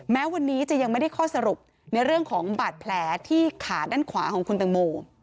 แม้วันนี้จะยังไม่ได้ข้อสรุปในเรื่องของบาดแผลที่ขาด้านขวาของคุณตังโม